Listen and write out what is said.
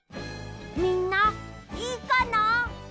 みんないいかな？